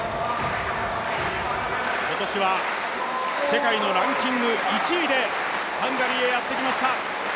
今年は世界のランキング１位でハンガリーへやってきました。